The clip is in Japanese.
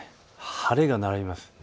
晴れが並びます。